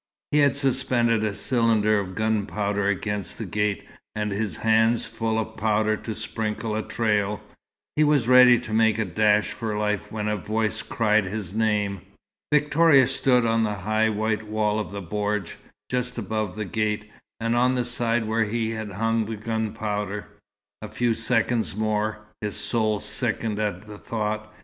He had suspended a cylinder of gunpowder against the gate, and, his hands full of powder to sprinkle a trail, he was ready to make a dash for life when a voice cried his name. Victoria stood on the high white wall of the bordj, just above the gate, on the side where he had hung the gunpowder. A few seconds more his soul sickened at the thought.